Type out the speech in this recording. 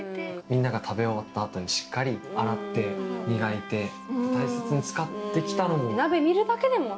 みんなが食べ終わったあとにしっかり洗って磨いて大切に使ってきたのも。